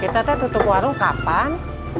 kita tuh tutup warung kapan